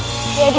cakap dulu wak